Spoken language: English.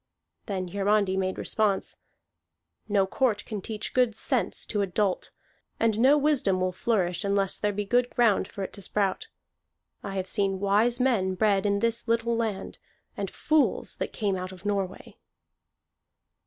Then Hiarandi made response: "No court can teach good sense to a dolt, and no wisdom will flourish unless there be good ground for it to sprout. I have seen wise men bred in this little land, and fools that came out of Norway."